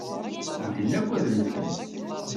Medden akk ad mmten.